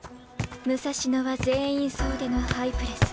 武蔵野は全員総出のハイプレス。